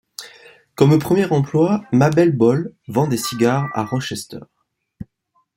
Comme premier emploi, Mabel Boll vend des cigares à Rochester.